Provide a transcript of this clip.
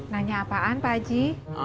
nanya apaan pak haji